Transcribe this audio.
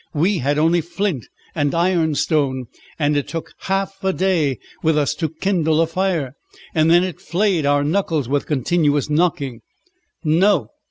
We had only flint and iron stone, and it took half a day with us to kindle a fire, and then it flayed our knuckles with continuous knocking. No!